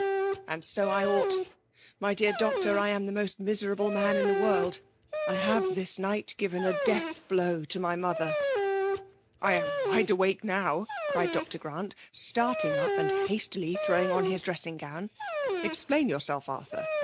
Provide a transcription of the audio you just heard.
*'" And so I ought ! My dear doctor ! I am the most miserable man in the world ! I hare this night given a death blow to my moth^ !";'' I am wide awake now !", cried Dr. Grant, starting up and hastily throwing on his dress ing gown. '' Explain yourself,. Arthur.